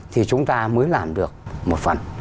thì chúng ta mới làm được một phần